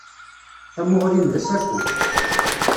Tamuɣli-m d asafu.